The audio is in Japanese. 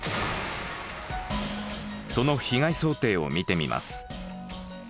その被害想定を見てみます。